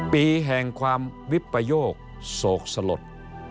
ปีแห่งความวิปโยคโศกสลด